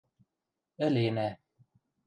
Ӹленӓ...